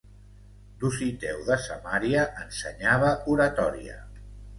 Dositeu de Samaria ensenyava oratòria.